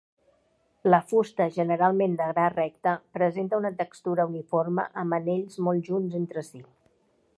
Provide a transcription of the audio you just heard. La fusta, generalment de gra recte, presenta una textura uniforme amb anells molt junts entre si.